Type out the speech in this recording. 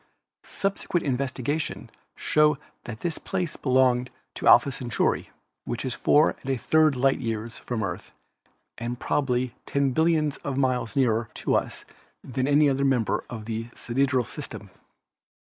Subsequent investigation showed that this place belonged to Alpha Centauri, which is four and a third light years from the Earth and prob ably ten billions of miles nearer to us than any other member of the sidereal system.